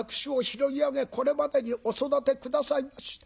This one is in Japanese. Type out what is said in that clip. これまでにお育て下さいました。